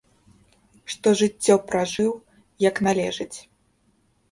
Што жыццё пражыў, як належыць.